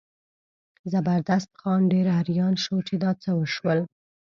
زبردست خان ډېر اریان شو چې دا څه وشول.